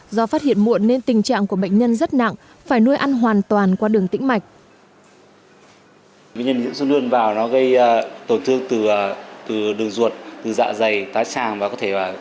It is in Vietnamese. do phát hiện muộn nên tình trạng của bệnh nhân rất nặng phải nuôi ăn hoàn toàn qua đường tĩnh mạch